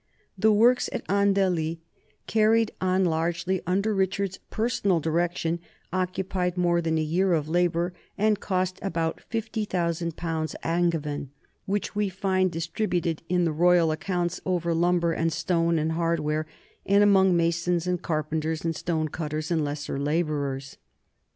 The works at Andeli, carried on largely under Richard's personal direction, occupied more than a year of labor and cost nearly 50,000 pounds Angevin, which we find distributed in the royal accounts over lumber and stone and hardware, and among masons and carpenters and stone cutters and lesser laborers.